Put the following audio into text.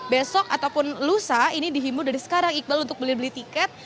besok ataupun lusa ini dihimbau dari sekarang iqbal untuk beli beli tiket